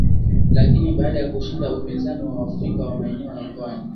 lakini baada ya kushinda upinzani wa Waafrika wa maeneo ya pwani